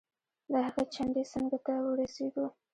د هغې چنډې څنګ ته ورسیدو.